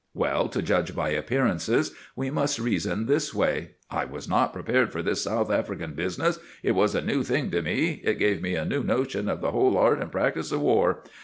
Well, to judge by appearances, we must reason this way: "I was not prepared for this South African business. It was a new thing to me. It gave me a new notion of the whole art and practice of war.